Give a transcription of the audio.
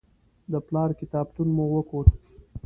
د پلار کتابتون مو وکت.